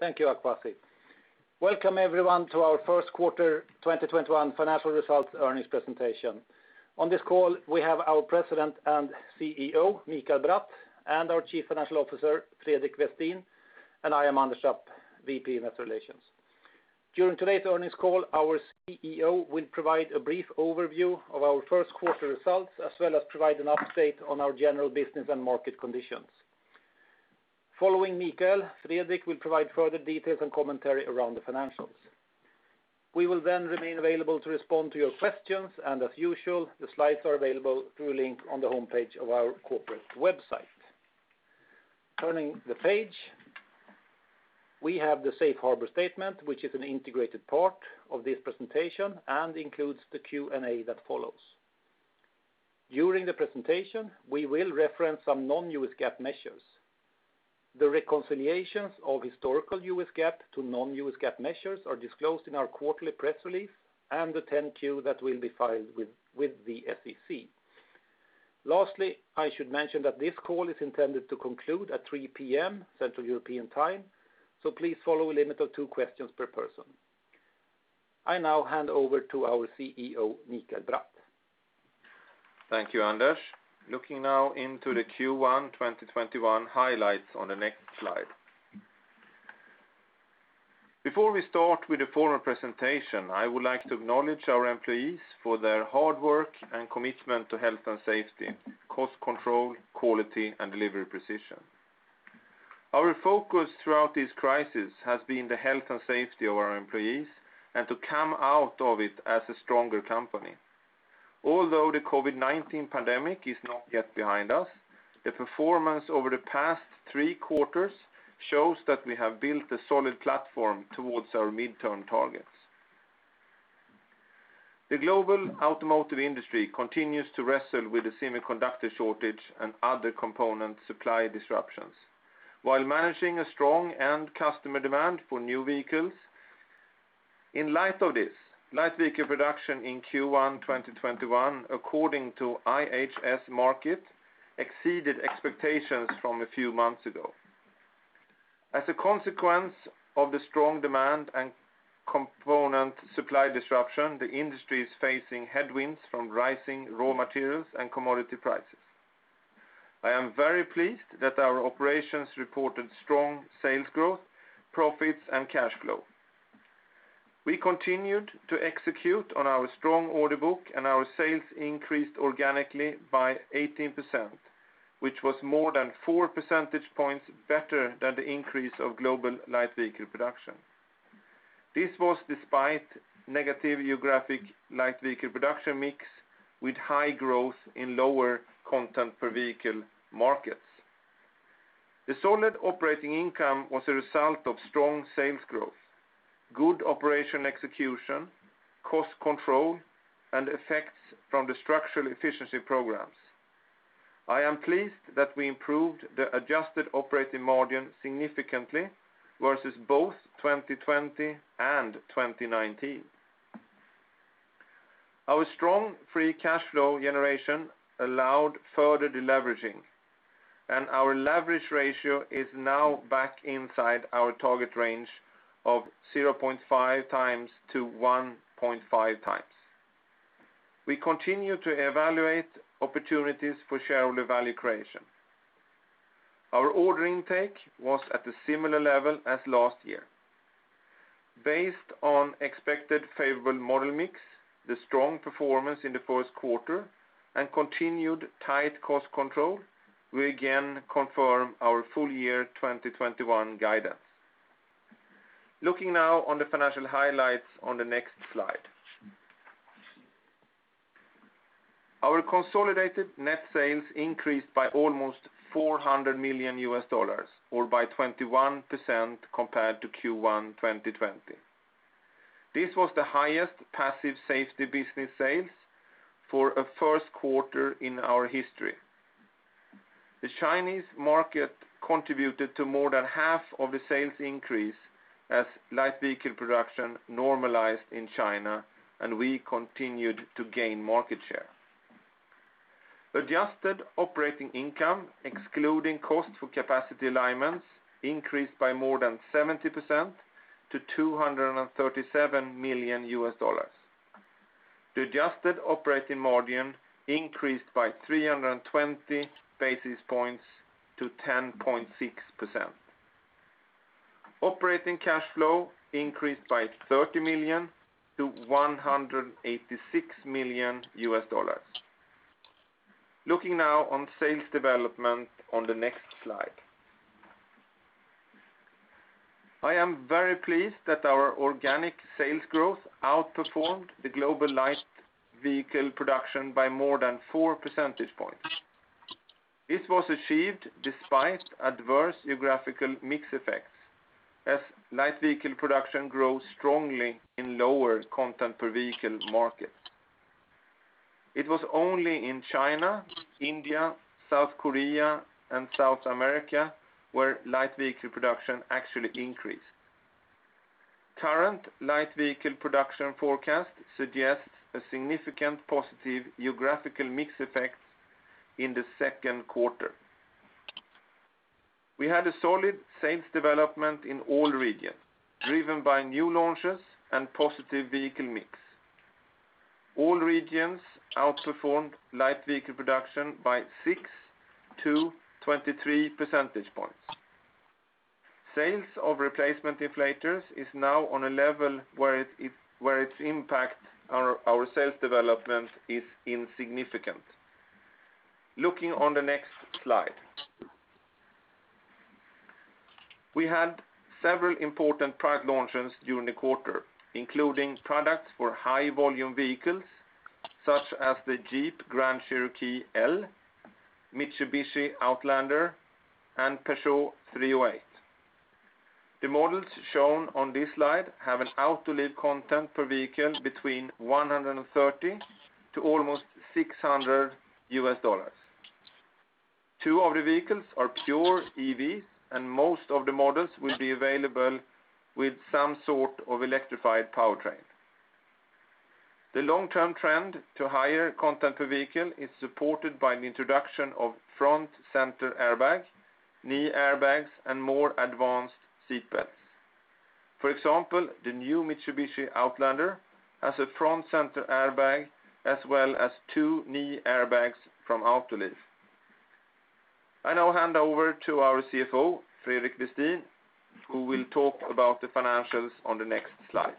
Thank you, Akwasi. Welcome everyone to our First Quarter 2021 Financial Results Earnings Presentation. On this call, we have our President and CEO, Mikael Bratt, and our Chief Financial Officer, Fredrik Westin, and I am Anders Trapp, VP Investor Relations. During today's earnings call, our CEO will provide a brief overview of our first quarter results, as well as provide an update on our general business and market conditions. Following Mikael, Fredrik will provide further details and commentary around the financials. We will then remain available to respond to your questions, and as usual, the slides are available through a link on the homepage of our corporate website. Turning the page, we have the safe harbor statement, which is an integrated part of this presentation and includes the Q&A that follows. During the presentation, we will reference some non-U.S. GAAP measures. The reconciliations of historical U.S. GAAP to non-U.S. GAAP measures are disclosed in our quarterly press release and the 10-Q that will be filed with the SEC. Lastly, I should mention that this call is intended to conclude at 3:00 P.M. Central European Time, so please follow a limit of two questions per person. I now hand over to our CEO, Mikael Bratt. Thank you, Anders. Looking now into the Q1 2021 highlights on the next slide. Before we start with the formal presentation, I would like to acknowledge our employees for their hard work and commitment to health and safety, cost control, quality, and delivery precision. Our focus throughout this crisis has been the health and safety of our employees and to come out of it as a stronger company. Although the COVID-19 pandemic is not yet behind us, the performance over the past three quarters shows that we have built a solid platform towards our midterm targets. The global automotive industry continues to wrestle with the semiconductor shortage and other component supply disruptions while managing a strong end customer demand for new vehicles. In light of this, light vehicle production in Q1 2021, according to IHS Markit, exceeded expectations from a few months ago. As a consequence of the strong demand and component supply disruption, the industry is facing headwinds from rising raw materials and commodity prices. I am very pleased that our operations reported strong sales growth, profits, and cash flow. We continued to execute on our strong order book and our sales increased organically by 18%, which was more than four percentage points better than the increase of global light vehicle production. This was despite negative geographic light vehicle production mix with high growth in lower content per vehicle markets. The solid operating income was a result of strong sales growth, good operation execution, cost control, and effects from the structural efficiency programs. I am pleased that we improved the adjusted operating margin significantly versus both 2020 and 2019. Our strong free cash flow generation allowed further deleveraging, and our leverage ratio is now back inside our target range of 0.5x-1.5x. We continue to evaluate opportunities for shareholder value creation. Our order intake was at a similar level as last year. Based on expected favorable model mix, the strong performance in the first quarter, and continued tight cost control, we again confirm our full year 2021 guidance. Looking now on the financial highlights on the next slide. Our consolidated net sales increased by almost $400 million, or by 21% compared to Q1 2020. This was the highest passive safety business sales for a first quarter in our history. The Chinese market contributed to more than half of the sales increase as light vehicle production normalized in China and we continued to gain market share. Adjusted operating income, excluding cost for capacity alignments, increased by more than 70% to $237 million. The adjusted operating margin increased by 320 basis points to 10.6%. Operating cash flow increased by $30 million to $186 million. Looking now on sales development on the next slide. I am very pleased that our organic sales growth outperformed the global light vehicle production by more than four percentage points. This was achieved despite adverse geographical mix effects as light vehicle production grows strongly in lower content per vehicle markets. It was only in China, India, South Korea, and South America where light vehicle production actually increased. Current light vehicle production forecast suggests a significant positive geographical mix effect in the second quarter. We had a solid sales development in all regions, driven by new launches and positive vehicle mix. All regions outperformed light vehicle production by 6-23 percentage points. Sales of replacement inflators is now on a level where its impact on our sales development is insignificant. Looking on the next slide. We had several important product launches during the quarter, including products for high-volume vehicles such as the Jeep Grand Cherokee L, Mitsubishi Outlander, and Peugeot 308. The models shown on this slide have an Autoliv content per vehicle between $130 to almost $600. Two of the vehicles are pure EVs, and most of the models will be available with some sort of electrified powertrain. The long-term trend to higher content per vehicle is supported by an introduction of front center airbag, knee airbags, and more advanced seat belts. For example, the new Mitsubishi Outlander has a front center airbag, as well as two knee airbags from Autoliv. I now hand over to our CFO, Fredrik Westin, who will talk about the financials on the next slides.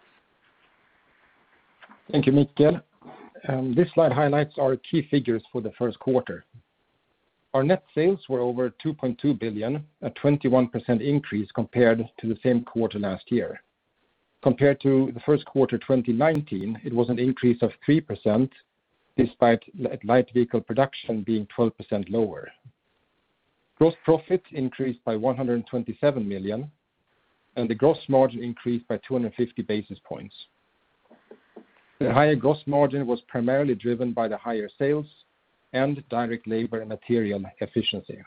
Thank you, Mikael. This slide highlights our key figures for the first quarter. Our net sales were over $2.2 billion, a 21% increase compared to the same quarter last year. Compared to the first quarter 2019, it was an increase of 3%, despite light vehicle production being 12% lower. Gross profit increased by $127 million, and the gross margin increased by 250 basis points. The higher gross margin was primarily driven by the higher sales and direct labor and material efficiency.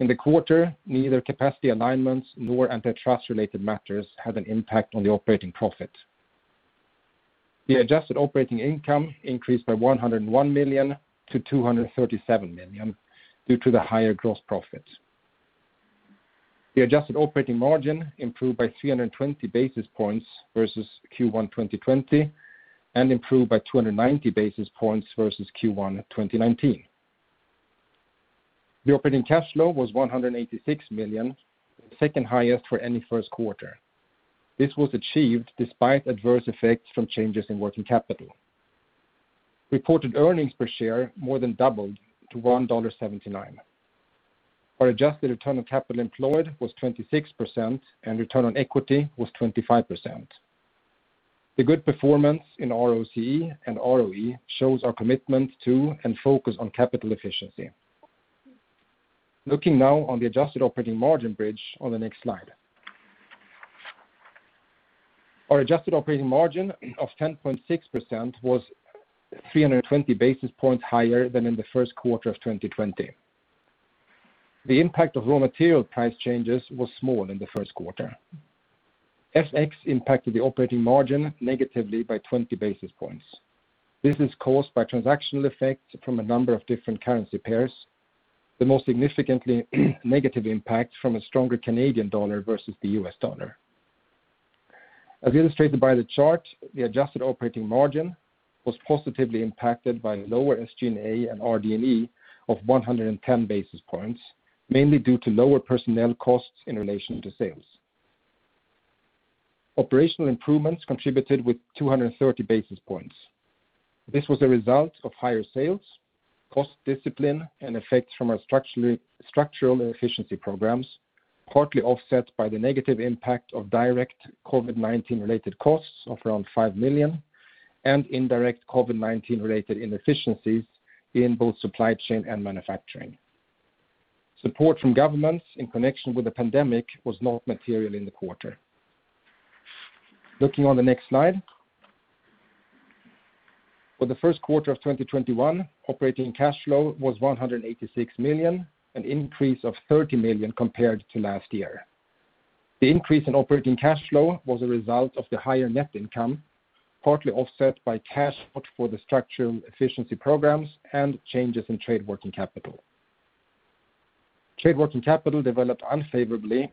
In the quarter, neither capacity alignments nor antitrust-related matters had an impact on the operating profit. The adjusted operating income increased by $101 million to $237 million due to the higher gross profit. The adjusted operating margin improved by 320 basis points versus Q1 2020 and improved by 290 basis points versus Q1 2019. The operating cash flow was $186 million, the second highest for any first quarter. This was achieved despite adverse effects from changes in working capital. Reported earnings per share more than doubled to $1.79. Our adjusted return on capital employed was 26%, and return on equity was 25%. The good performance in ROCE and ROE shows our commitment to and focus on capital efficiency. Looking now on the adjusted operating margin bridge on the next slide. Our adjusted operating margin of 10.6% was 320 basis points higher than in the first quarter of 2020. The impact of raw material price changes was small in the first quarter. FX impacted the operating margin negatively by 20 basis points. This is caused by transactional effects from a number of different currency pairs, the most significantly negative impact from a stronger Canadian dollar versus the U.S. dollar. As illustrated by the chart, the adjusted operating margin was positively impacted by lower SG&A and RD&E of 110 basis points, mainly due to lower personnel costs in relation to sales. Operational improvements contributed with 230 basis points. This was a result of higher sales, cost discipline, and effects from our structural efficiency programs, partly offset by the negative impact of direct COVID-19 related costs of around $5 million and indirect COVID-19 related inefficiencies in both supply chain and manufacturing. Support from governments in connection with the pandemic was not material in the quarter. Looking on the next slide. For the first quarter of 2021, operating cash flow was $186 million, an increase of $30 million compared to last year. The increase in operating cash flow was a result of the higher net income, partly offset by cash out for the structural efficiency programs and changes in trade working capital. Trade working capital developed unfavorably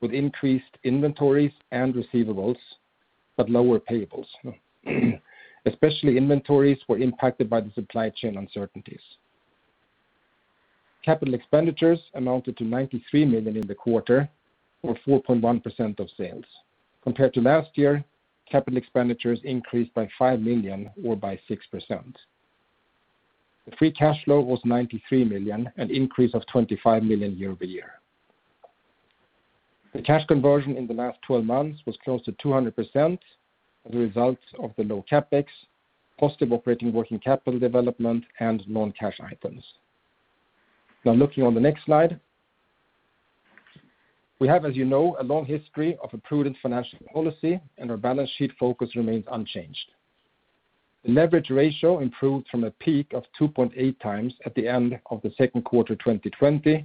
with increased inventories and receivables, but lower payables. Especially inventories were impacted by the supply chain uncertainties. Capital expenditures amounted to $93 million in the quarter, or 4.1% of sales. Compared to last year, capital expenditures increased by $5 million or by 6%. The free cash flow was $93 million, an increase of $25 million year-over-year. The cash conversion in the last 12 months was close to 200% as a result of the low CapEx, positive operating working capital development, and non-cash items. Now looking on the next slide. We have, as you know, a long history of a prudent financial policy, and our balance sheet focus remains unchanged. The leverage ratio improved from a peak of 2.8x at the end of the second quarter 2020,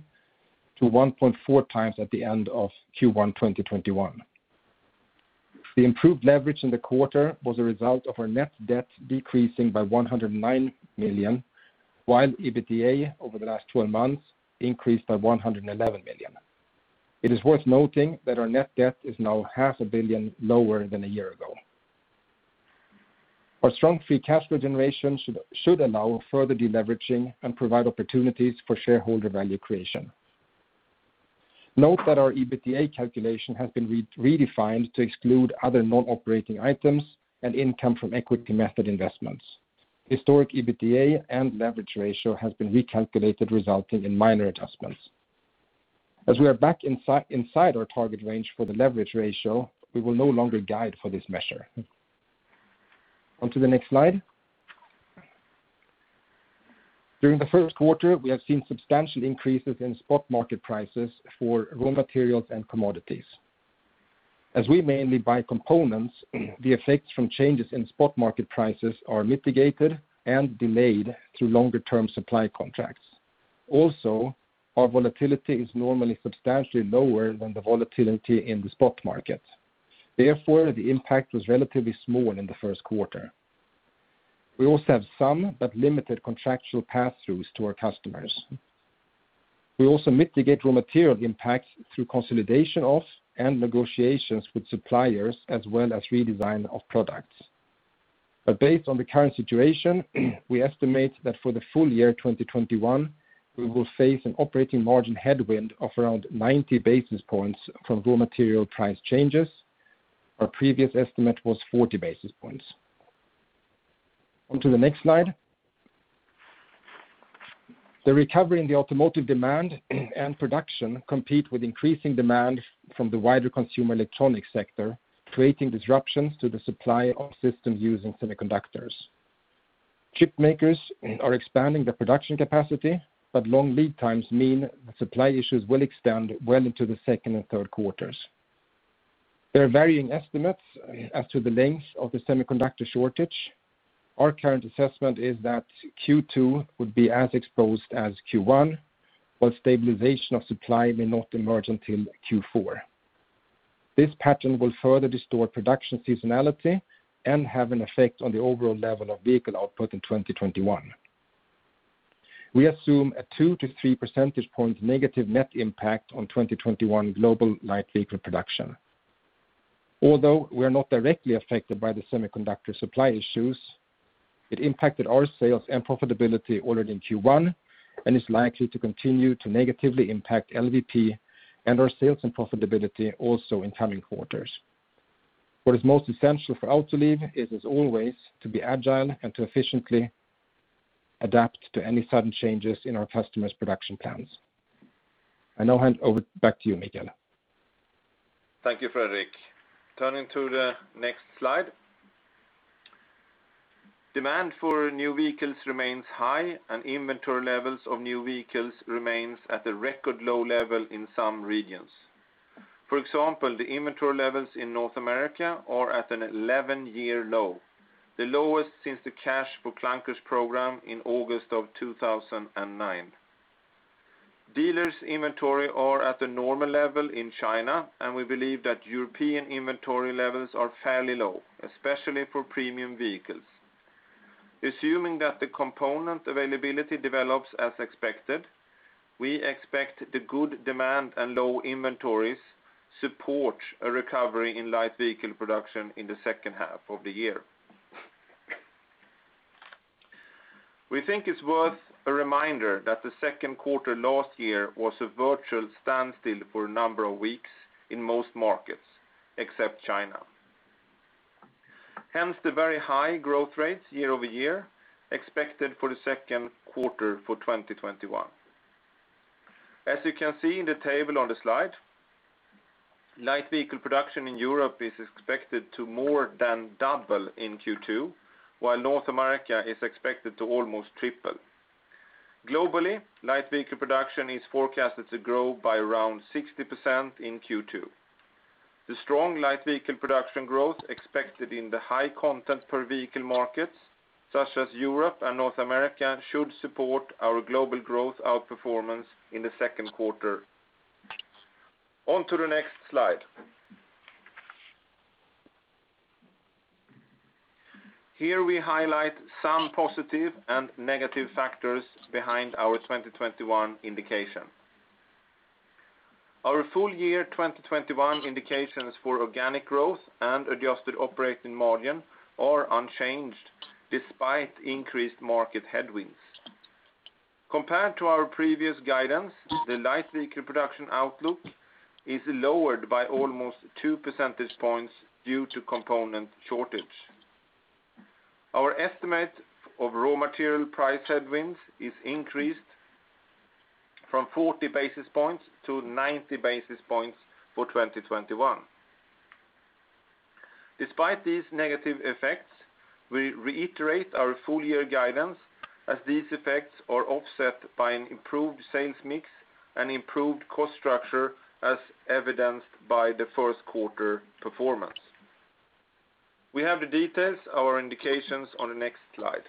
to 1.4x at the end of Q1 2021. The improved leverage in the quarter was a result of our net debt decreasing by $109 million, while EBITDA over the last 12 months increased by $111 million. It is worth noting that our net debt is now half a billion dollars lower than a year ago. Our strong free cash flow generation should allow further deleveraging and provide opportunities for shareholder value creation. Note that our EBITDA calculation has been redefined to exclude other non-operating items and income from equity method investments. Historic EBITDA and leverage ratio has been recalculated, resulting in minor adjustments. As we are back inside our target range for the leverage ratio, we will no longer guide for this measure. On to the next slide. During the first quarter, we have seen substantial increases in spot market prices for raw materials and commodities. As we mainly buy components, the effects from changes in spot market prices are mitigated and delayed through longer term supply contracts. Our volatility is normally substantially lower than the volatility in the spot market. The impact was relatively small in the first quarter. We also have some, but limited contractual passthroughs to our customers. We also mitigate raw material impacts through consolidation of and negotiations with suppliers, as well as redesign of products. Based on the current situation, we estimate that for the full year 2021, we will face an operating margin headwind of around 90 basis points from raw material price changes. Our previous estimate was 40 basis points. On to the next slide. The recovery in the automotive demand and production compete with increasing demand from the wider consumer electronics sector, creating disruptions to the supply of systems using semiconductors. Chip makers are expanding the production capacity, but long lead times mean that supply issues will extend well into the second and third quarters. There are varying estimates as to the length of the semiconductor shortage. Our current assessment is that Q2 would be as exposed as Q1, while stabilization of supply may not emerge until Q4. This pattern will further distort production seasonality and have an effect on the overall level of vehicle output in 2021. We assume a two to three percentage points negative net impact on 2021 global light vehicle production. Although we are not directly affected by the semiconductor supply issues, it impacted our sales and profitability already in Q1, and is likely to continue to negatively impact LVP and our sales and profitability also in coming quarters. What is most essential for Autoliv is, as always, to be agile and to efficiently adapt to any sudden changes in our customers' production plans. I now hand over back to you, Mikael. Thank you, Fredrik. Turning to the next slide. Demand for new vehicles remains high, inventory levels of new vehicles remains at a record low level in some regions. For example, the inventory levels in North America are at an 11-year low, the lowest since the Cash for Clunkers program in August of 2009. Dealers inventory are at the normal level in China, we believe that European inventory levels are fairly low, especially for premium vehicles. Assuming that the component availability develops as expected, we expect the good demand and low inventories support a recovery in light vehicle production in the second half of the year. We think it's worth a reminder that the second quarter last year was a virtual standstill for a number of weeks in most markets, except China. Hence, the very high growth rates year-over-year expected for the second quarter for 2021. As you can see in the table on the slide, light vehicle production in Europe is expected to more than double in Q2, while North America is expected to almost triple. Globally, light vehicle production is forecasted to grow by around 60% in Q2. The strong light vehicle production growth expected in the high content per vehicle markets, such as Europe and North America, should support our global growth outperformance in the second quarter. On to the next slide. Here we highlight some positive and negative factors behind our 2021 indication. Our full year 2021 indications for organic growth and adjusted operating margin are unchanged, despite increased market headwinds. Compared to our previous guidance, the light vehicle production outlook is lowered by almost two percentage points due to component shortage. Our estimate of raw material price headwinds is increased from 40 basis points to 90 basis points for 2021. Despite these negative effects, we reiterate our full year guidance. As these effects are offset by an improved sales mix and improved cost structure as evidenced by the first quarter performance. We have the details, our indications on the next slide.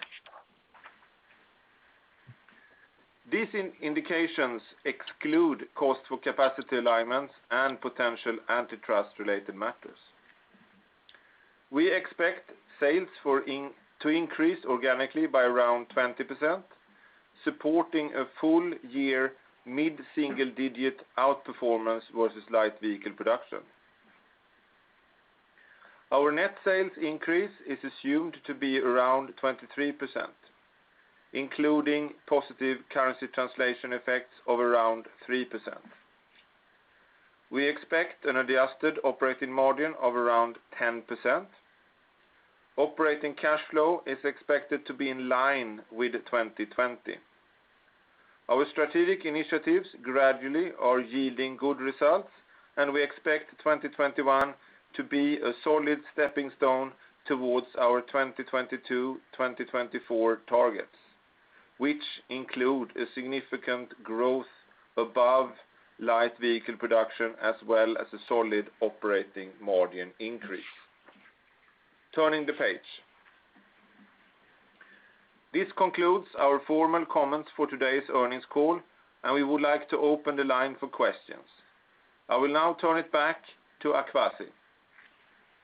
These indications exclude cost for capacity alignments and potential antitrust related matters. We expect sales to increase organically by around 20%, supporting a full year mid-single digit outperformance versus light vehicle production. Our net sales increase is assumed to be around 23%, including positive currency translation effects of around 3%. We expect an adjusted operating margin of around 10%. Operating cash flow is expected to be in line with 2020. Our strategic initiatives gradually are yielding good results. We expect 2021 to be a solid stepping stone towards our 2022/2024 targets, which include a significant growth above light vehicle production, as well as a solid operating margin increase. Turning the page. This concludes our formal comments for today's earnings call, and we would like to open the line for questions. I will now turn it back to Akwasi.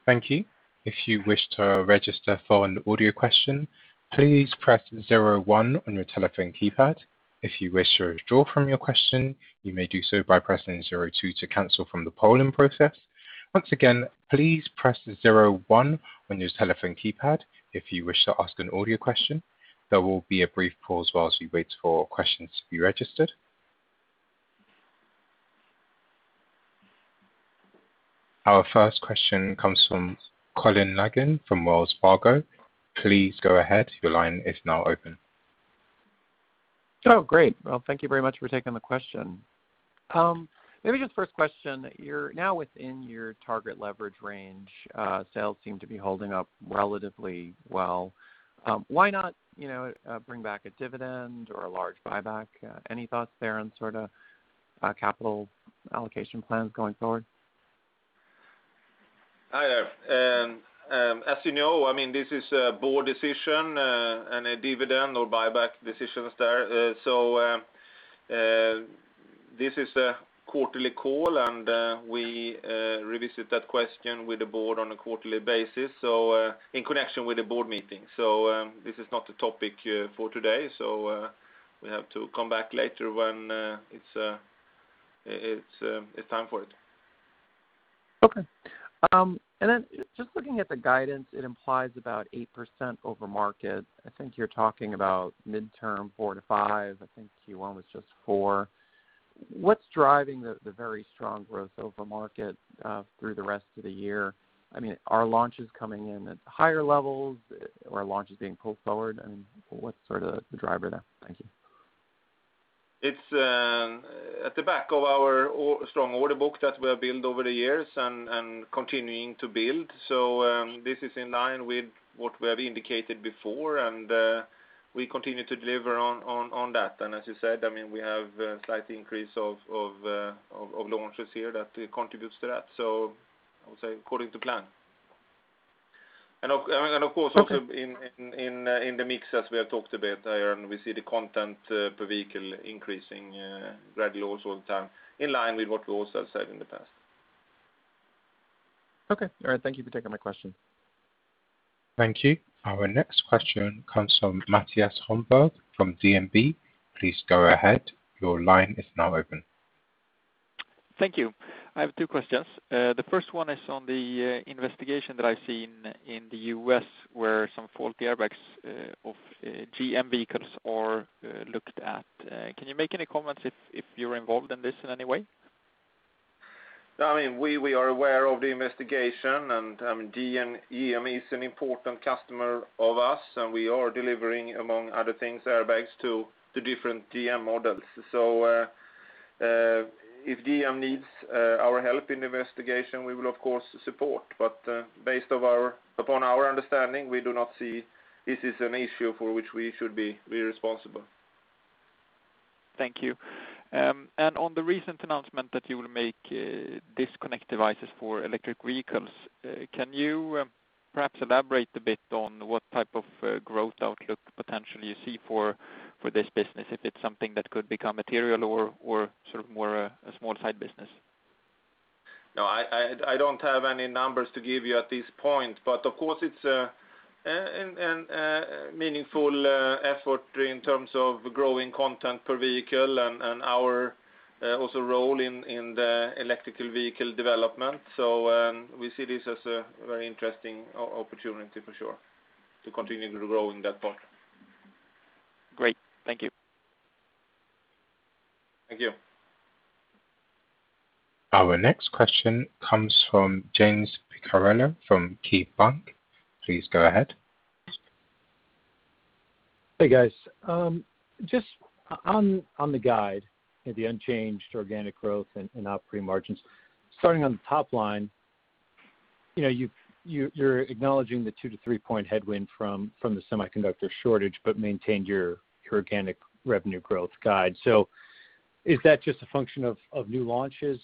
Thank you. If you wish to register for an audio question, please press zero one on your telephone keypad. If you wish to withdraw from your question, you may do so by pressing zero two to cancel from the polling process. Once again, please press the zero one on your telephone keypad if you wish to ask an audio question. There will be a brief pause while we wait for questions to be registered. Our first question comes from Colin Langan from Wells Fargo. Please go ahead. Your line is now open. Oh, great. Well, thank you very much for taking the question. Maybe just first question, you are now within your target leverage range. Sales seem to be holding up relatively well. Why not bring back a dividend or a large buyback? Any thoughts there on capital allocation plans going forward? As you know, this is a board decision and a dividend or buyback decisions there. This is a quarterly call, and we revisit that question with the board on a quarterly basis, so in connection with the board meeting. This is not a topic for today. We have to come back later when it's time for it. Okay. Just looking at the guidance, it implies about 8% over market. I think you're talking about midterm 4%-5%. I think Q1 was just 4%. What's driving the very strong growth over market through the rest of the year? Are launches coming in at higher levels or are launches being pulled forward? What's sort of the driver there? Thank you. It's at the back of our strong order book that we have built over the years and continuing to build. This is in line with what we have indicated before, and we continue to deliver on that. As you said, we have a slight increase of launches here that contributes to that. I would say according to plan. Of course, also in the mix as we have talked a bit, and we see the content per vehicle increasing gradually also all the time, in line with what we also said in the past. Okay. All right. Thank you for taking my question. Thank you. Our next question comes from Mattias Holmberg from DNB. Please go ahead. Your line is now open. Thank you. I have two questions. The first one is on the investigation that I've seen in the U.S. where some faulty airbags of GM vehicles are looked at. Can you make any comments if you're involved in this in any way? We are aware of the investigation. GM is an important customer of us, and we are delivering, among other things, airbags to different GM models. If GM needs our help in the investigation, we will of course support. Based upon our understanding, we do not see this is an issue for which we should be responsible. Thank you. On the recent announcement that you will make disconnect devices for electric vehicles, can you perhaps elaborate a bit on what type of growth outlook potential you see for this business? If it's something that could become material or sort of more a small side business. No, I don't have any numbers to give you at this point, but of course, it's a meaningful effort in terms of growing content per vehicle and our also role in the electrical vehicle development. We see this as a very interesting opportunity for sure to continue growing that part. Great. Thank you. Thank you. Our next question comes from James Picariello from KeyBanc. Please go ahead. Hey, guys. Just on the guide, the unchanged organic growth and operating margins. Starting on the top line. You're acknowledging the two to three-point headwind from the semiconductor shortage, but maintained your organic revenue growth guide. Is that just a function of new launches,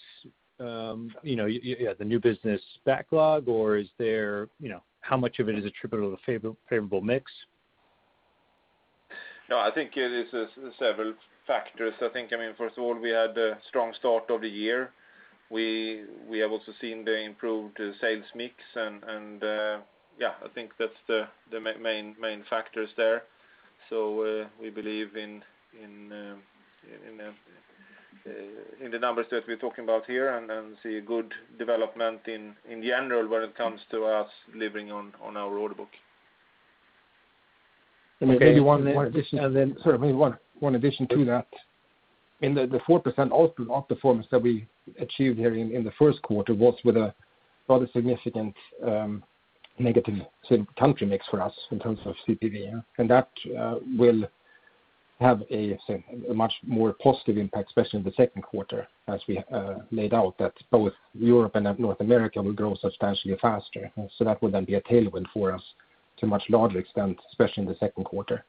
the new business backlog, or how much of it is attributable to favorable mix? I think it is several factors. I think, first of all, we had a strong start of the year. We have also seen the improved sales mix and, yeah, I think that's the main factors there. We believe in the numbers that we're talking about here, and then see a good development in general when it comes to us delivering on our order book. Okay. And maybe one addition- And then- Sorry, maybe one addition to that. In the 4% outperformance that we achieved here in the first quarter was with a rather significant negative country mix for us in terms of CPV. That will have a much more positive impact, especially in the second quarter, as we laid out that both Europe and North America will grow substantially faster. That will then be a tailwind for us to a much larger extent, especially in the second quarter.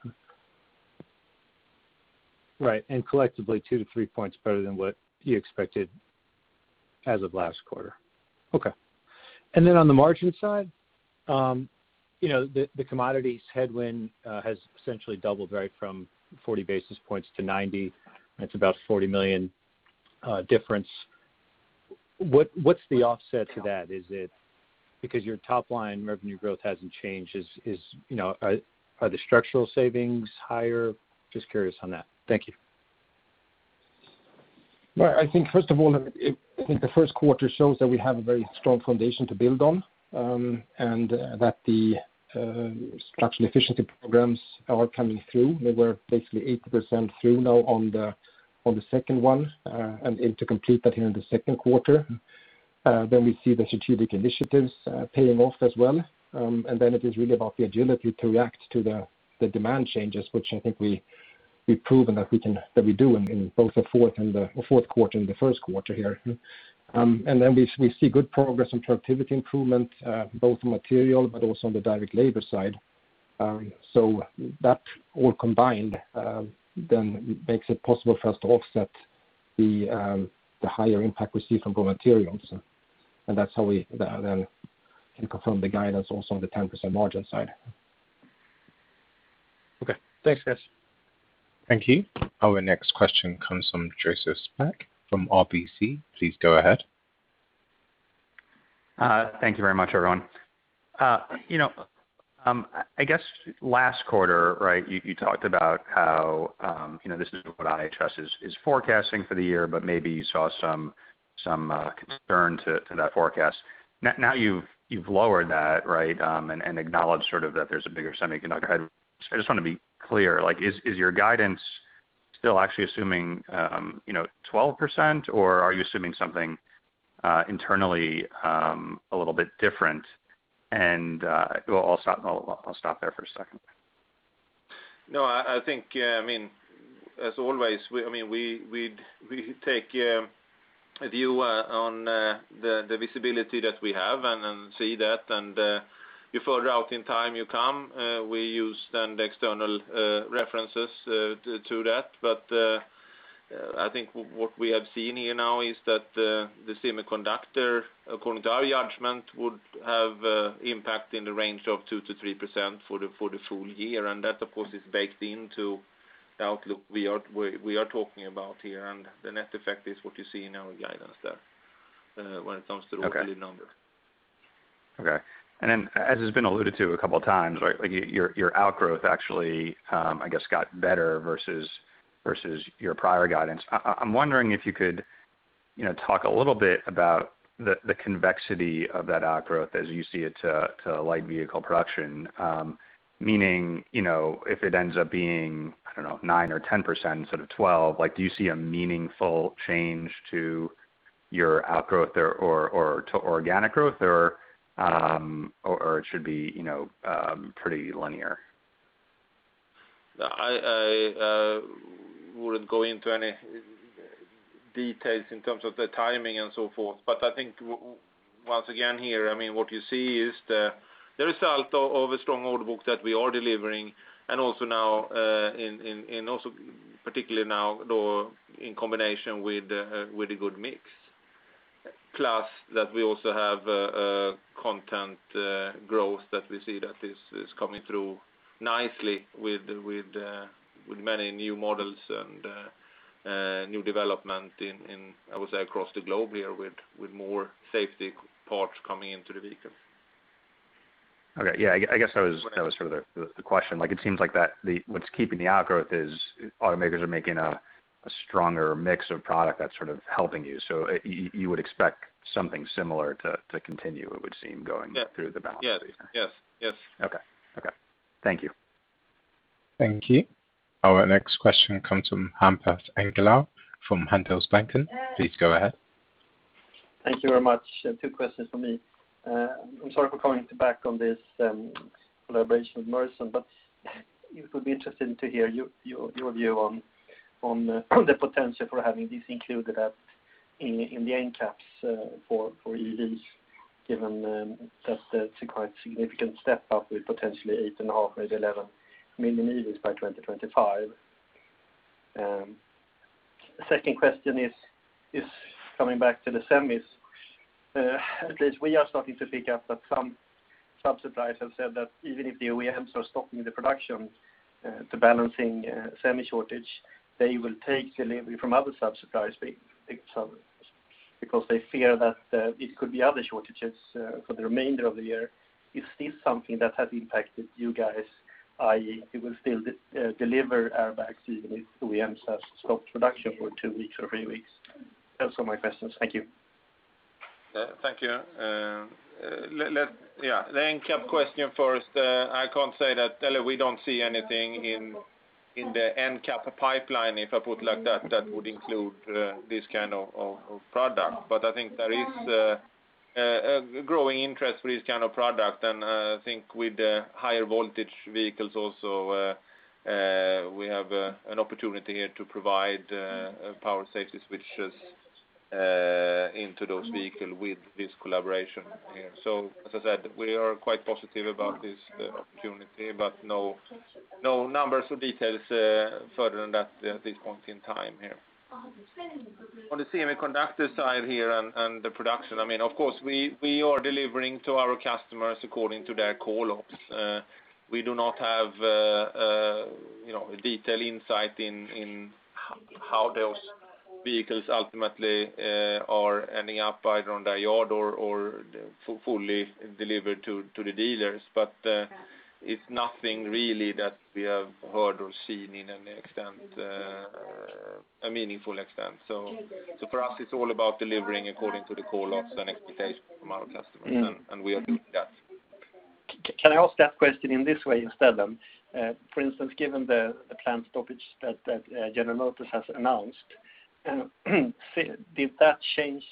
Collectively, two to three points better than what you expected as of last quarter. Okay. On the margin side, the commodities headwind has essentially doubled, right, from 40 basis points to 90. That's about $40 million difference. What's the offset to that? Is it because your top-line revenue growth hasn't changed? Are the structural savings higher? Just curious on that. Thank you. Well, I think first of all, the first quarter shows that we have a very strong foundation to build on, and that the structural efficiency programs are coming through. We were basically 80% through now on the second one, aim to complete that here in the second quarter. We see the strategic initiatives paying off as well. It is really about the agility to react to the demand changes, which I think we've proven that we do in both the fourth quarter and the first quarter here. We see good progress on productivity improvement, both on material but also on the direct labor side. That all combined makes it possible for us to offset the higher impact we see from raw materials. That's how we can confirm the guidance also on the 10% margin side. Okay. Thanks, guys. Thank you. Our next question comes from Joseph Spak from RBC. Please go ahead. Thank you very much, everyone. I guess last quarter, right, you talked about how this is what IHS is forecasting for the year, but maybe you saw some concern to that forecast. Now you've lowered that, right? And acknowledged sort of that there's a bigger semiconductor headwind. I just want to be clear, is your guidance still actually assuming 12% or are you assuming something internally a little bit different? And I'll stop there for a second. I think, as always, we take a view on the visibility that we have and see that, before routing time you come, we use then the external references to that. I think what we have seen here now is that the semiconductor, according to our judgment, would have impact in the range of 2%-3% for the full year. That, of course, is baked into the outlook we are talking about here, the net effect is what you see in our guidance there. Okay The complete numbers. Okay. Then as has been alluded to a couple of times, right, your outgrowth actually, I guess, got better versus your prior guidance. I'm wondering if you could talk a little bit about the convexity of that outgrowth as you see it to light vehicle production. Meaning, if it ends up being, I don't know, 9% or 10% instead of 12%, do you see a meaningful change to your outgrowth or to organic growth? Or it should be pretty linear? I wouldn't go into any details in terms of the timing and so forth. I think once again here, what you see is the result of a strong order book that we are delivering, and also particularly now in combination with the good mix. Plus that we also have content growth that we see that is coming through nicely with many new models and new development in, I would say, across the globe here with more safety parts coming into the vehicle. Okay. Yeah, I guess that was sort of the question. It seems like what's keeping the outgrowth is automakers are making a stronger mix of product that's sort of helping you. You would expect something similar to continue, it would seem, going. Yeah Through the balance of the year. Yes. Okay. Thank you. Thank you. Our next question comes from Hampus Engellau from Handelsbanken. Please go ahead. Thank you very much. Two questions from me. I'm sorry for coming back on this collaboration with Mersen, but it would be interesting to hear your view on the potential for having this included in the NCAPs for EVs, given that it's a quite significant step up with potentially 8.5, maybe 11 million EVs by 2025. Second question is coming back to the semis. At least we are starting to pick up that some suppliers have said that even if the OEMs are stopping the production to balancing semi shortage, they will take delivery from other suppliers because they fear that it could be other shortages for the remainder of the year. Is this something that has impacted you guys, i.e., you will still deliver airbags even if OEMs have stopped production for two weeks or three weeks? Those are my questions. Thank you. Thank you. The NCAP question first. I can't say that, or we don't see anything in the NCAP pipeline, if I put it like that would include this kind of product. I think there is a growing interest for this kind of product, and I think with the higher voltage vehicles also, we have an opportunity here to provide Pyro Safety Switch into those vehicle with this collaboration here. As I said, we are quite positive about this opportunity, but no numbers or details further than that at this point in time here. On the semiconductor side here and the production, of course, we are delivering to our customers according to their call-offs. We do not have detailed insight in how those vehicles ultimately are ending up either on the yard or fully delivered to the dealers. It's nothing really that we have heard or seen in a meaningful extent. For us, it's all about delivering according to the call-offs and expectations from our customers, and we are doing that. Can I ask that question in this way instead, then? For instance, given the plant stoppage that General Motors has announced, did that change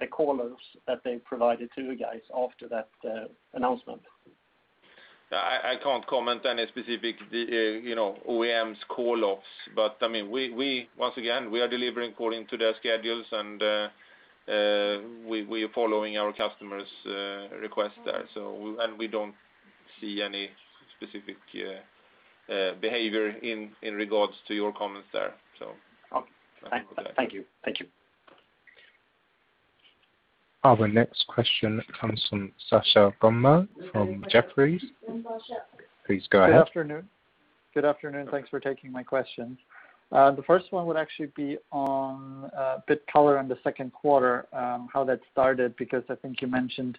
the call-offs that they provided to you guys after that announcement? I can't comment any specific OEM's call-offs. Once again, we are delivering according to their schedules, and we are following our customers' requests there. We don't see any specific behavior in regards to your comments there. Thank you. Our next question comes from Sascha Gommel from Jefferies. Please go ahead. Good afternoon. Thanks for taking my questions. The first one would actually be on a bit color on the second quarter, how that started, because I think you mentioned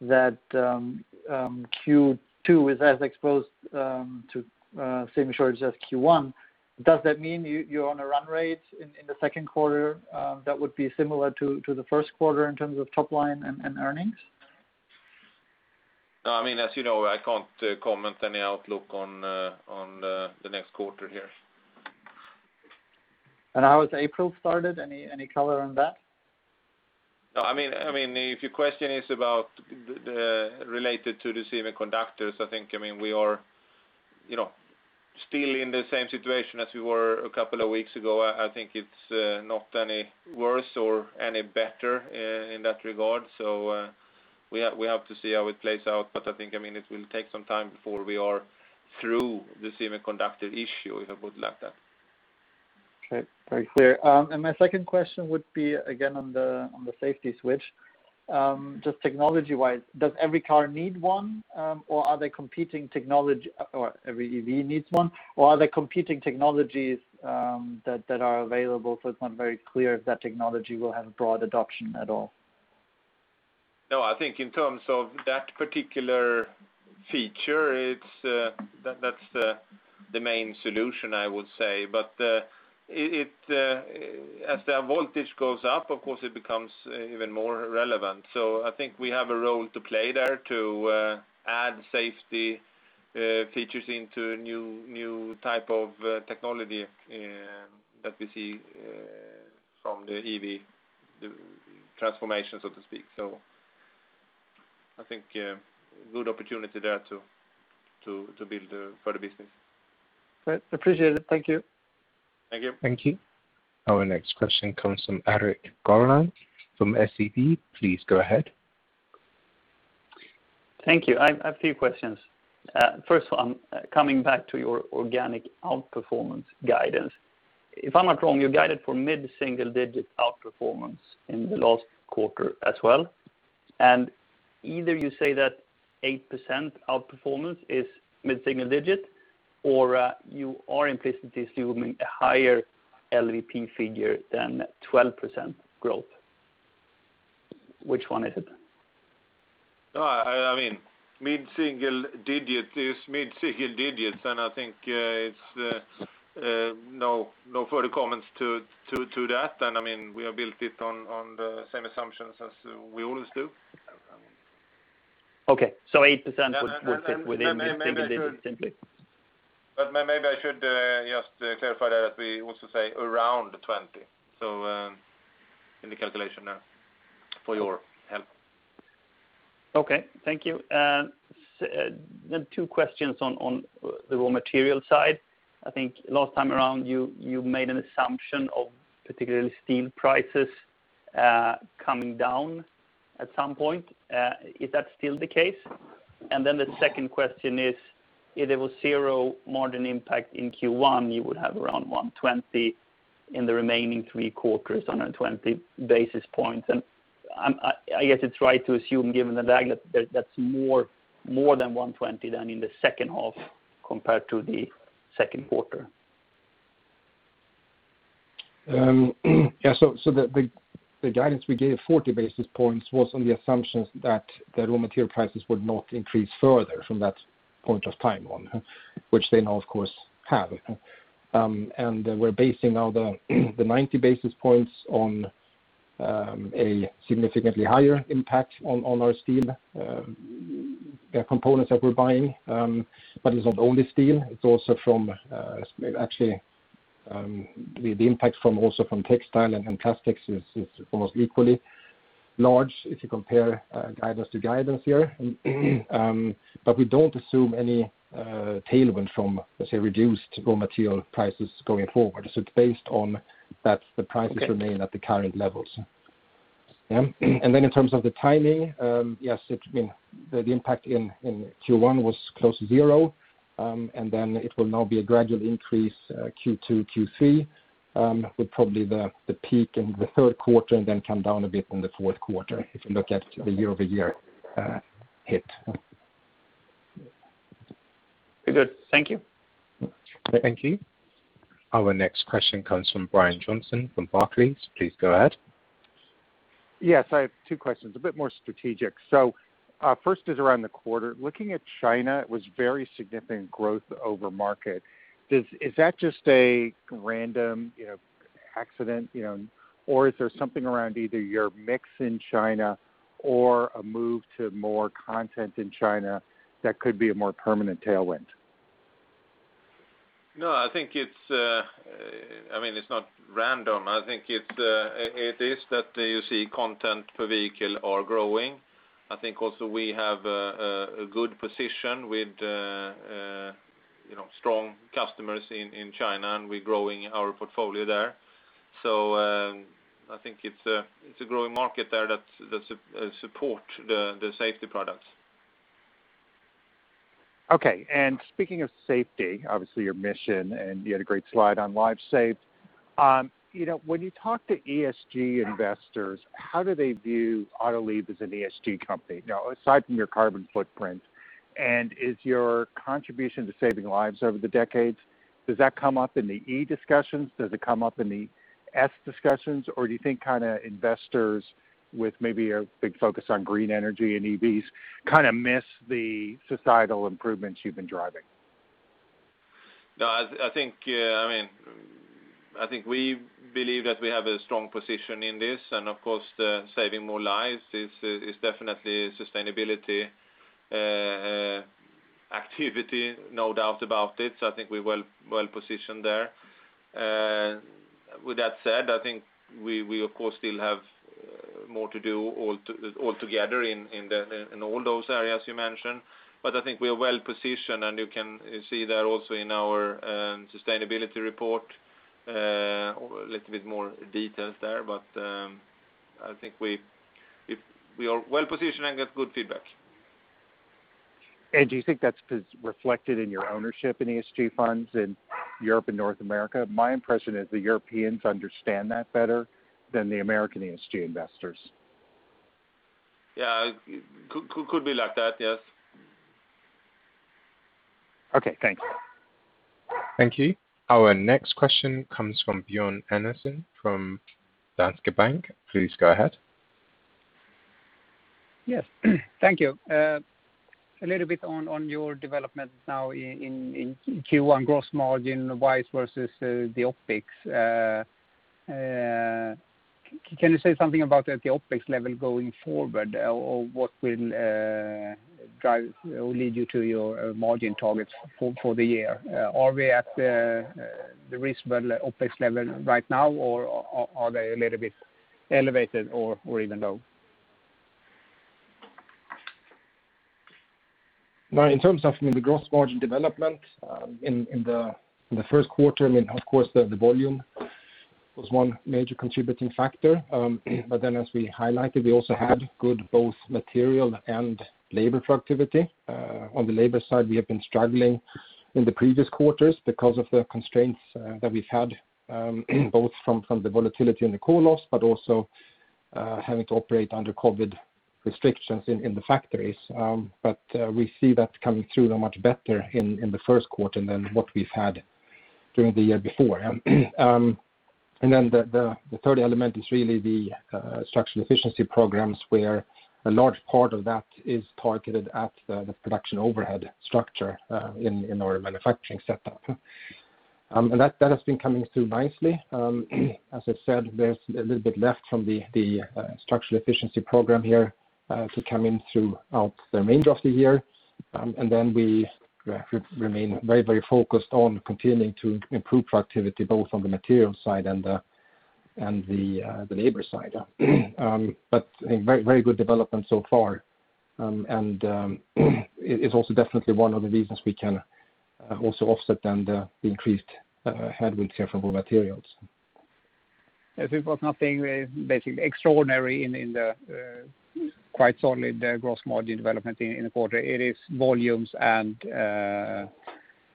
that Q2 is as exposed to semi shortage as Q1. Does that mean you're on a run rate in the second quarter that would be similar to the first quarter in terms of top line and earnings? As you know, I can't comment any outlook on the next quarter here. How has April started? Any color on that? If your question is related to the semiconductors, I think we are still in the same situation as we were a couple of weeks ago. I think it's not any worse or any better in that regard. We have to see how it plays out, but I think it will take some time before we are through the semiconductor issue, if I put it like that. Okay, very clear. My second question would be again on the Safety Switch. Just technology-wise, does every car need one? Or are there competing technology, or every EV needs one? Or are there competing technologies that are available? It's not very clear if that technology will have broad adoption at all. I think in terms of that particular feature, that's the main solution, I would say. As the voltage goes up, of course, it becomes even more relevant. I think we have a role to play there to add safety features into new type of technology that we see from the EV transformation, so to speak. I think a good opportunity there to build for the business. Great. Appreciate it. Thank you. Thank you. Thank you. Our next question comes from Erik Golrang from SEB. Please go ahead. Thank you. I have a few questions. First one, coming back to your organic outperformance guidance. If I'm not wrong, you guided for mid-single digit outperformance in the last quarter as well. Either you say that 8% outperformance is mid-single digit, or you are implicitly assuming a higher LVP figure than 12% growth. Which one is it? Mid-single digit is mid-single digit, I think it's no further comments to that. We have built it on the same assumptions as we always do. Okay. 8% would fit within mid-single digit, simply? Maybe I should just clarify that we also say around 20 in the calculation there for your help. Okay. Thank you. Two questions on the raw material side. I think last time around, you made an assumption of particularly steel prices coming down at some point. Is that still the case? The second question is, if there was zero margin impact in Q1, you would have around 120 in the remaining three quarters, 120 basis points. I guess I try to assume, given the value, that's more than 120 than in the second half compared to the second quarter. The guidance we gave, 40 basis points, was on the assumption that the raw material prices would not increase further from that point of time on, which they now of course have. We're basing now the 90 basis points on a significantly higher impact on our steel components that we're buying. It's not only steel. Actually, the impact also from textile and plastics is almost equally large if you compare guidance to guidance here. We don't assume any tailwind from, let's say, reduced raw material prices going forward. It's based on that the prices remain at the current levels. In terms of the timing, yes, the impact in Q1 was close to zero. It will now be a gradual increase Q2, Q3, with probably the peak in the third quarter and then come down a bit in the fourth quarter if you look at the year-over-year hit. Good. Thank you. Thank you. Our next question comes from Brian Johnson from Barclays. Please go ahead. Yes, I have two questions, a bit more strategic. First is around the quarter. Looking at China, it was very significant growth over market. Is that just a random accident? Is there something around either your mix in China or a move to more content in China that could be a more permanent tailwind? No, I think it's not random. I think it is that you see content per vehicle are growing. I think also we have a good position with strong customers in China, and we're growing our portfolio there. I think it's a growing market there that support the safety products. Okay. Speaking of safety, obviously your mission, and you had a great slide on lives saved. When you talk to ESG investors, how do they view Autoliv as an ESG company, aside from your carbon footprint? Is your contribution to saving lives over the decades, does that come up in the E discussions? Does it come up in the S discussions, or do you think investors with maybe a big focus on green energy and EVs kind of miss the societal improvements you've been driving? I think we believe that we have a strong position in this, and of course, saving more lives is definitely a sustainability activity, no doubt about it. I think we're well positioned there. With that said, I think we of course still have more to do altogether in all those areas you mentioned. I think we are well positioned, and you can see that also in our sustainability report, a little bit more details there. I think we are well positioned and get good feedback. Do you think that's reflected in your ownership in ESG funds in Europe and North America? My impression is the Europeans understand that better than the American ESG investors. Yeah. Could be like that, yes. Okay, thank you. Thank you. Our next question comes from Björn Enarson from Danske Bank. Please go ahead. Yes. Thank you. A little bit on your development now in Q1 gross margin wise versus the OpEx. Can you say something about at the OpEx level going forward? What will drive or lead you to your margin targets for the year? Are we at the reasonable OpEx level right now, or are they a little bit elevated or even low? In terms of the gross margin development in the first quarter, of course, the volume was one major contributing factor. As we highlighted, we also had good both material and labor productivity. On the labor side, we have been struggling in the previous quarters because of the constraints that we've had, both from the volatility in the call-offs, but also having to operate under COVID restrictions in the factories. We see that coming through now much better in the first quarter than what we've had during the year before. The third element is really the structural efficiency programs, where a large part of that is targeted at the production overhead structure in our manufacturing setup. That has been coming through nicely. As I said, there's a little bit left from the structural efficiency program here to come in throughout the remainder of the year. We remain very focused on continuing to improve productivity, both on the material side and the labor side. A very good development so far. It is also definitely one of the reasons we can also offset the increased headwinds here for raw materials. As it was nothing basically extraordinary in the quite solid gross margin development in the quarter. It is volumes and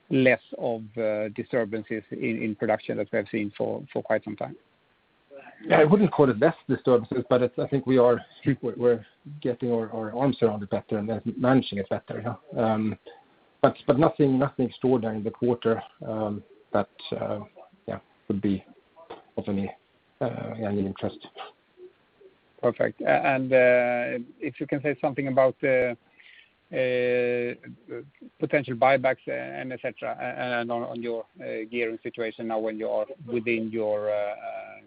less of disturbances in production that we have seen for quite some time. Yeah. I wouldn't call it less disturbances, but I think we're getting our arms around it better and then managing it better. Nothing extraordinary in the quarter that would be of any interest. Perfect. If you can say something about potential buybacks and et cetera, and on your gearing situation now when you are within your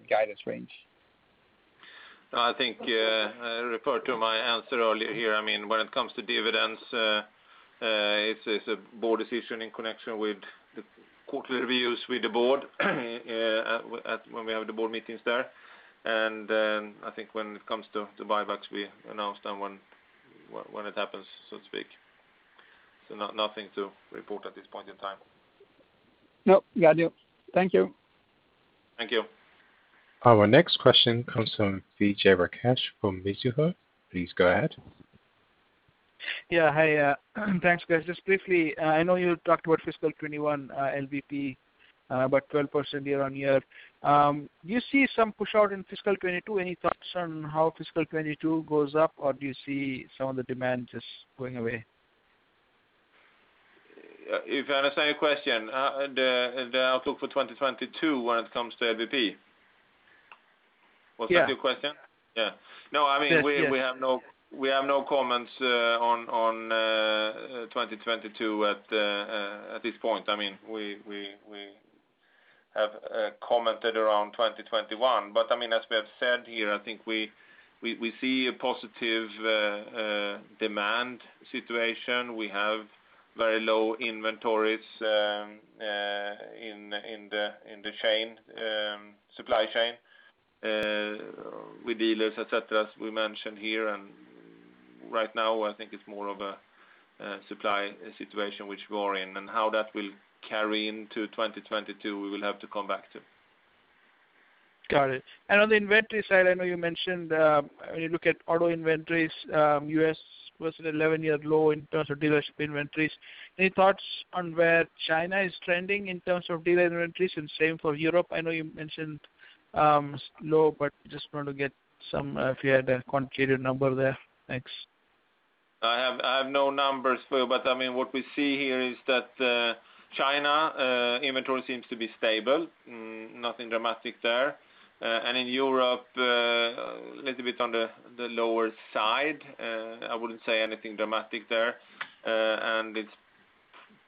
guidance range. I think I refer to my answer earlier here. When it comes to dividends, it's a board decision in connection with the quarterly reviews with the board, when we have the board meetings there. I think when it comes to buybacks, we announce them when it happens, so to speak. Nothing to report at this point in time. No, got you. Thank you. Thank you. Our next question comes from Vijay Rakesh from Mizuho. Please go ahead. Yeah. Hi. Thanks, guys. Just briefly, I know you talked about fiscal 2021 LVP, about 12% year-over-year. Do you see some push-out in fiscal 2022? Any thoughts on how fiscal 2022 goes up, or do you see some of the demand just going away? If I understand your question, the outlook for 2022 when it comes to LVP? Yeah. Was that your question? Yeah. Yes. We have no comments on 2022 at this point. We have commented around 2021. As we have said here, I think we see a positive demand situation. We have very low inventories in the supply chain with dealers, et cetera, as we mentioned here. Right now, I think it's more of a supply situation which we are in, and how that will carry into 2022, we will have to come back to. Got it. On the inventory side, I know you mentioned when you look at auto inventories, U.S. was at an 11-year low in terms of dealership inventories. Any thoughts on where China is trending in terms of dealer inventories? Same for Europe, I know you mentioned low, but just want to get if you had a quantitative number there. Thanks. I have no numbers for you. What we see here is that China inventory seems to be stable, nothing dramatic there. In Europe, little bit on the lower side. I wouldn't say anything dramatic there. It's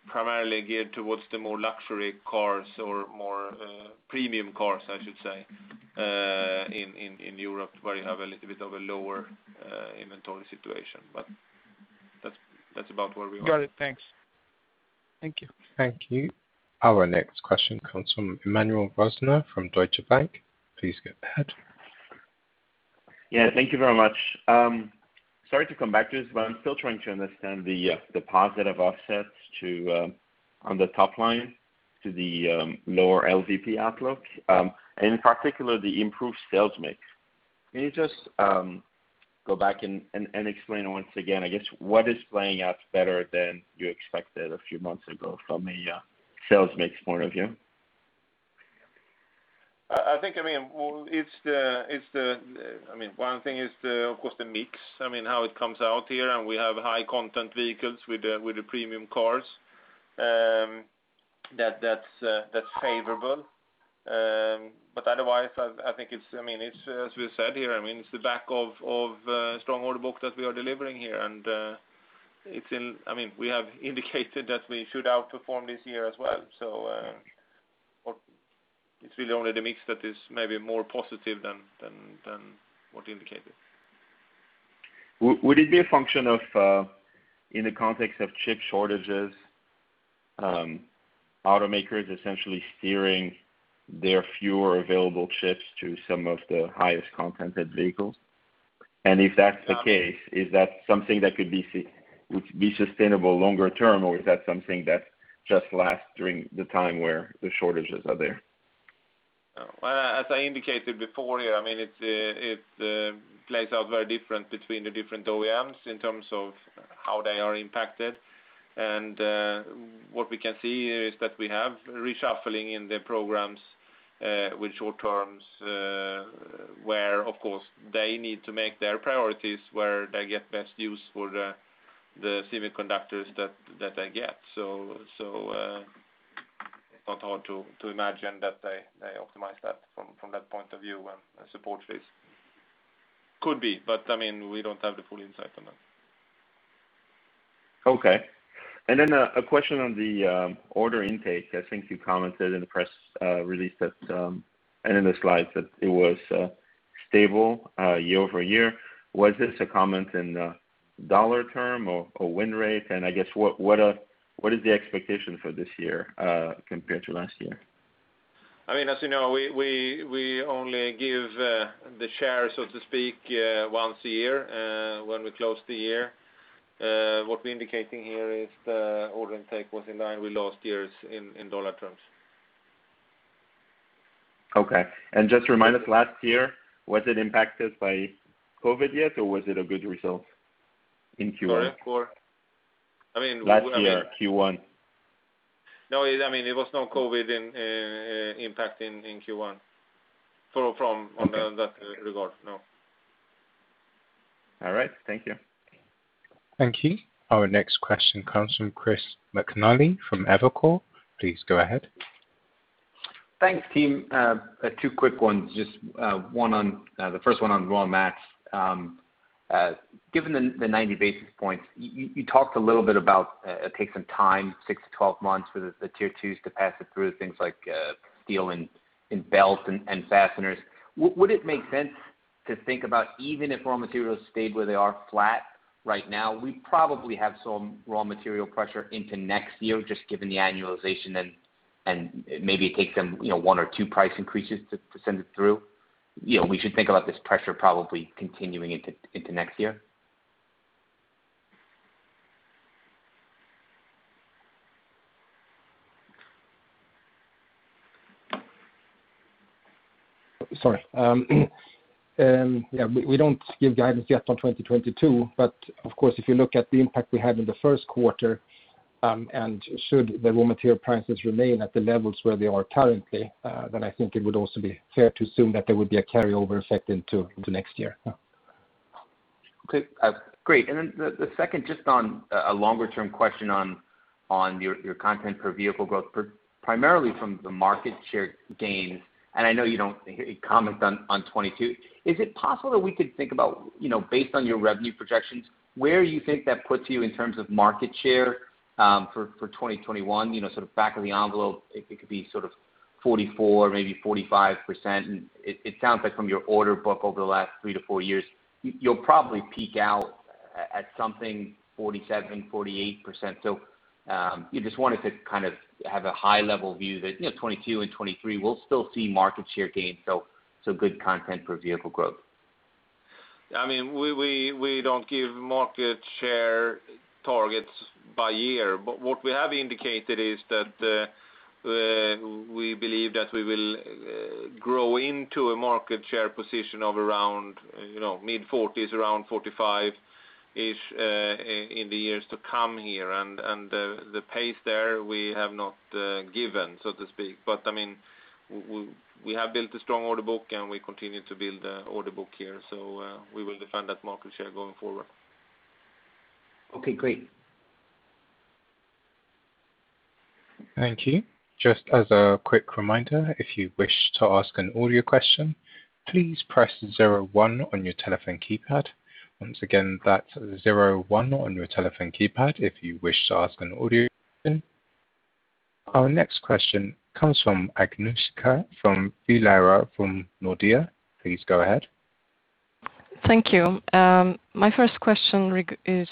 primarily geared towards the more luxury cars or more premium cars, I should say, in Europe where you have a little bit of a lower inventory situation. That's about where we are. Got it. Thanks. Thank you. Thank you. Our next question comes from Emmanuel Rosner from Deutsche Bank. Please go ahead. Yeah, thank you very much. Sorry to come back to this, but I'm still trying to understand the positive offsets on the top line to the lower LVP outlook, and in particular, the improved sales mix. Can you just go back and explain once again, I guess, what is playing out better than you expected a few months ago from a sales mix point of view? One thing is of course the mix, how it comes out here, and we have high content vehicles with the premium cars. That's favorable. Otherwise, as we said here, it's the back of strong order book that we are delivering here, and we have indicated that we should outperform this year as well. It's really only the mix that is maybe more positive than what indicated. Would it be a function of, in the context of chip shortages, automakers essentially steering their fewer available chips to some of the highest content vehicles? If that's the case, is that something that would be sustainable longer term, or is that something that just lasts during the time where the shortages are there? As I indicated before here, it plays out very different between the different OEMs in terms of how they are impacted. What we can see is that we have reshuffling in the programs with short terms, where of course, they need to make their priorities where they get best use for the semiconductors that they get. It's not hard to imagine that they optimize that from that point of view and support this. Could be, but we don't have the full insight on that. Okay. A question on the order intake. I think you commented in the press release and in the slides that it was stable year-over-year. Was this a comment in dollar term or win rate? I guess, what is the expectation for this year compared to last year? As you know, we only give the share, so to speak, once a year when we close the year. What we're indicating here is the order intake was in line with last year's in dollar terms. Okay. Just remind us, last year, was it impacted by COVID yet, or was it a good result in Q1? Sorry, Q4? Last year, Q1. No, it was no COVID impact in Q1 from on that regard, no. All right. Thank you. Thank you. Our next question comes from Chris McNally from Evercore. Please go ahead. Thanks, team. Two quick ones. The first one on raw mats. Given the 90 basis points, you talked a little bit about it takes some time, 6-12 months, for the Tier 2s to pass it through things like steel and belt and fasteners. Would it make sense to think about, even if raw materials stayed where they are flat right now, we probably have some raw material pressure into next year just given the annualization, and maybe it takes them one or two price increases to send it through? We should think about this pressure probably continuing into next year? Sorry. Yeah, we don't give guidance yet on 2022. Of course, if you look at the impact we had in the first quarter, and should the raw material prices remain at the levels where they are currently, then I think it would also be fair to assume that there would be a carryover effect into next year. Okay. Great. The second, just on a longer-term question on your content per vehicle growth, primarily from the market share gains, I know you don't comment on 2022. Is it possible that we could think about, based on your revenue projections, where you think that puts you in terms of market share for 2021, sort of back of the envelope, it could be sort of 44%, maybe 45%? It sounds like from your order book over the last three to four years, you'll probably peak out at something 47%, 48%. You just wanted to kind of have a high-level view that 2022 and 2023, we'll still see market share gains, so good content per vehicle growth. We don't give market share targets by year. What we have indicated is that we believe that we will grow into a market share position of around mid-40s, around 45-ish in the years to come here, and the pace there we have not given, so to speak. We have built a strong order book, and we continue to build the order book here. We will defend that market share going forward. Okay, great. Thank you. Just as a quick reminder, if you wish to ask an audio question, please press zero one on your telephone keypad. Once again, that's zero one on your telephone keypad if you wish to ask an audio question. Our next question comes from Agnieszka Vilela from Nordea. Please go ahead. Thank you. My first question is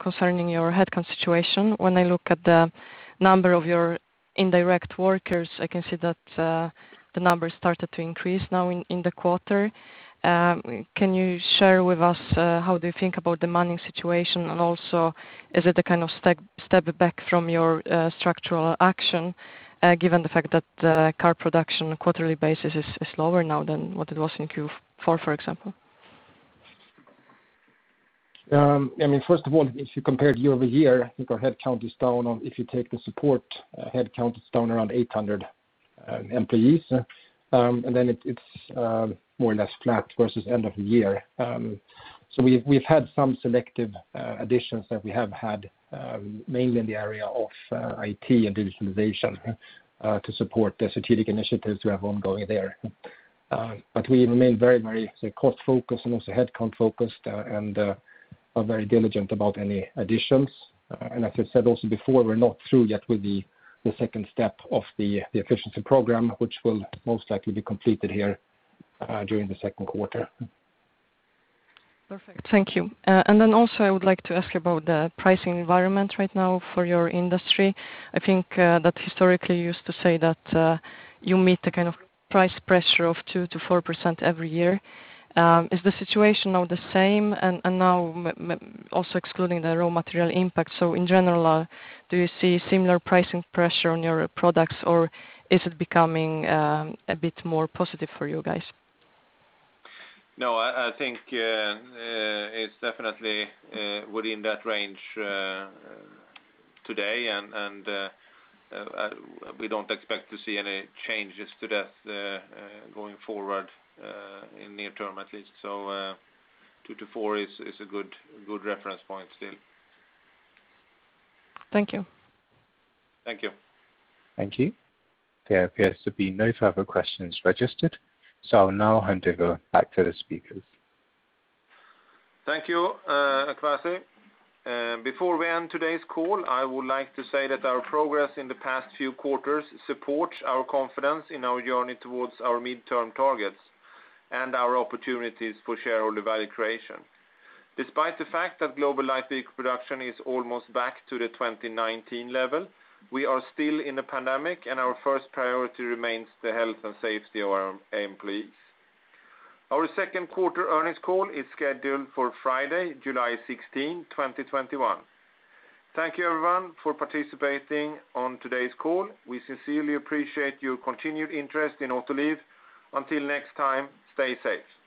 concerning your headcount situation. When I look at the number of your indirect workers, I can see that the numbers started to increase now in the quarter. Can you share with us how they think about the manning situation, and also is it a kind of step back from your structural action, given the fact that car production quarterly basis is lower now than what it was in Q4, for example? First of all, if you compared year-over-year, your headcount is down, if you take the support, headcount is down around 800 employees. It's more or less flat versus end of year. We've had some selective additions that we have had mainly in the area of IT and digitalization to support the strategic initiatives we have ongoing there. We remain very cost focused and also headcount focused and are very diligent about any additions. As I said also before, we're not through yet with the second step of the Efficiency Program, which will most likely be completed here during the second quarter. Perfect. Thank you. Also, I would like to ask you about the pricing environment right now for your industry. I think that historically you used to say that you meet the kind of price pressure of 2%-4% every year. Is the situation now the same, and now also excluding the raw material impact? In general, do you see similar pricing pressure on your products, or is it becoming a bit more positive for you guys? No, I think it's definitely within that range today, and we don't expect to see any changes to that going forward in near term, at least. Two to four is a good reference point still. Thank you. Thank you. Thank you. There appears to be no further questions registered. I'll now hand it over back to the speakers. Thank you, Akwasi. Before we end today's call, I would like to say that our progress in the past few quarters supports our confidence in our journey towards our midterm targets and our opportunities for shareholder value creation. Despite the fact that global light vehicle production is almost back to the 2019 level, we are still in a pandemic, and our first priority remains the health and safety of our employees. Our second quarter earnings call is scheduled for Friday, July 16, 2021. Thank you, everyone, for participating on today's call. We sincerely appreciate your continued interest in Autoliv. Until next time, stay safe.